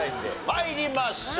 参りましょう！